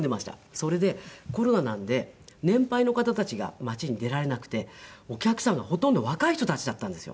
それでコロナなんで年配の方たちが町に出られなくてお客さんがほとんど若い人たちだったんですよ。